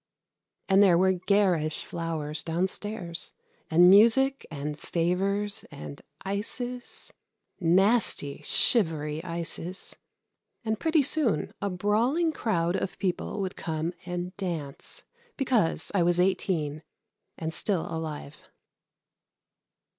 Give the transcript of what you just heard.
And there were garish flowers down stairs, and music and favors and ices nasty shivery ices, and pretty soon a brawling crowd of people would come and dance because I was eighteen and still alive.